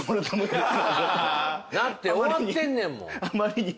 だって終わってんねんもん。